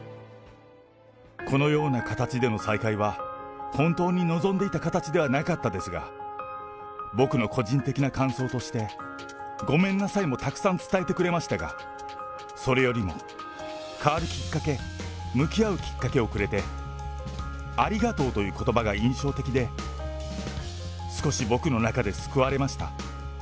このような形での再会は、本当に望んでいた形ではなかったですが、僕の個人的な感想として、ごめんなさいもたくさん伝えてくれましたが、それよりも、変わるきっかけ、向き合うきっかけをくれてありがとうということばが印象的で、少し僕の中で救われました。